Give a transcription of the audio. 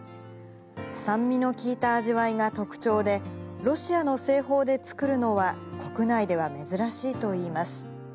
酸味の効いた味わいが特徴で、ロシアの製法で作るのは、国内では珍しいといいます。